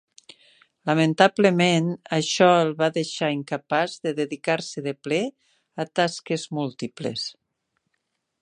Lamentablement això el va deixar incapaç de dedicar-se de ple a tasques múltiples.